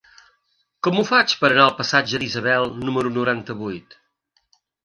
Com ho faig per anar al passatge d'Isabel número noranta-vuit?